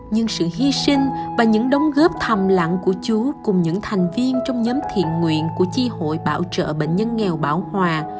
nhưng sự hy sinh và những đóng góp thầm lặng của chú cùng những thành viên trong nhóm thiện nguyện của chi hội bảo trợ bệnh nhân nghèo bảo hòa